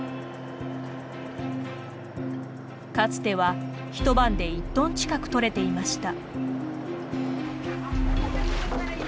かつては一晩で１トン近く取れていました。